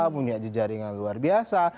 punya jejaringan luar biasa